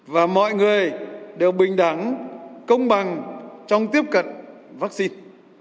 và mọi người đều bình đẳng công bằng trong tiếp cận vaccine